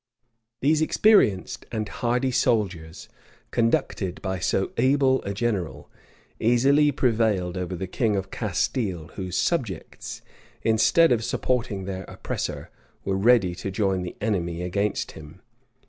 These experienced and hardy soldiers, conducted by so able a general, easily prevailed over the king of Castile, whose subjects, instead of supporting their oppressor, were ready to join the enemy against him.